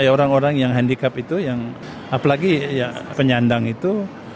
orang orang yang handicap itu yang apalagi penyandang itu